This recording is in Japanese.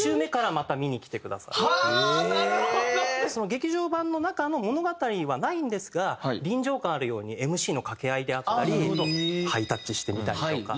劇場版の中の物語にはないんですが臨場感あるようにＭＣのかけ合いであったりハイタッチしてみたりとか。